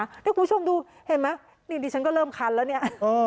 เนี่ยคุณผู้ชมดูเห็นมั้ยอีกทีฉันก็เริ่มคันแล้วเนี่ย